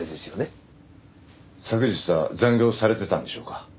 昨日は残業されてたんでしょうか？